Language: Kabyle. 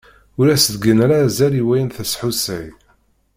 Ur as-ttgen ara azal i wayen tesḥusay.